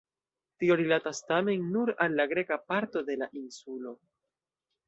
Tio rilatas tamen nur al la greka parto de la insulo.